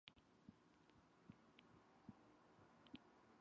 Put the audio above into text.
Thus, the entire group of workers finds solidarity more elusive.